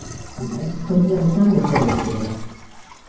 Kontuan izan bezeroak direla.